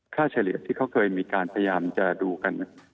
เฉลี่ยที่เขาเคยมีการพยายามจะดูกัน